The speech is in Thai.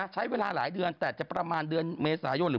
ใช้เวลาหลายเดือนแต่จะประมาณเดือนเมษายนหรือ